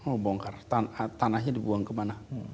oh bongkar tanahnya dibuang kemana